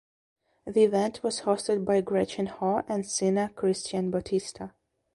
The event was hosted by Gretchen Ho and singer Christian Bautista.